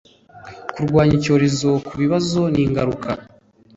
kurwanya icyorezo ku kubibazo ni ngaruka